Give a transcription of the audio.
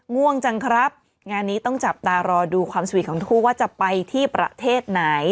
ง่วงจังครับงานนี้ต้องจับตารอดูความสวีทของทั้งคู่ว่าจะไปที่ประเทศไหน